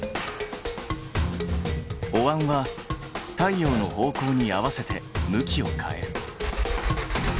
おわんは太陽の方向に合わせて向きを変える。